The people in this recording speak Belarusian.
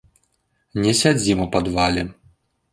Не сядзім у падвале.